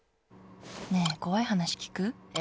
ねえ怖い話聞く。